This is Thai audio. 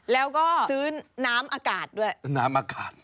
แล้วก็ซื้อน้ำอากาศด้วย